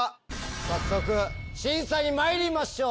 早速審査にまいりましょう。